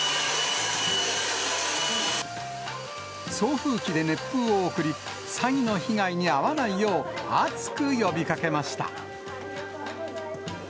送風機で熱風を送り、詐欺の被害に遭わないよう、熱く呼びかけました。